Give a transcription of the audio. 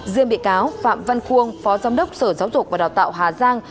riêng bị cáo phạm văn khuôn phó giám đốc sở giáo dục và đào tạo hà giang